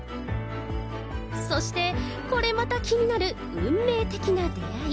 そしてこれまた気になる運命的な出会い。